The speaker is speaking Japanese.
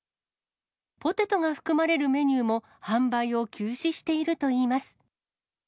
ポテトが含まれるメニューも販売を休止しているといいます。